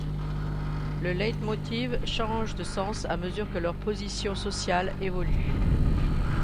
Le leitmotiv change de sens à mesure que leurs positions sociales évoluent.